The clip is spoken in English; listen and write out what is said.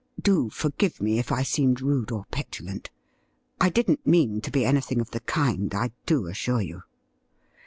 Do forgive me if I seemed rude or petulant. I didn't mean to be anything of the kind, I do assure you.'